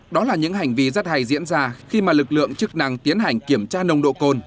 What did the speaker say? đó là những hành vi rất hay diễn ra khi mà lực lượng chức năng tiến hành kiểm tra nồng độ cồn